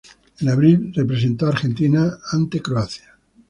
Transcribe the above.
En abril, representó a Argentina en la ante Croacia.